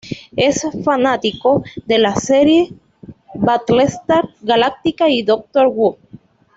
Es fanático de las series Battlestar Galactica y Doctor Who.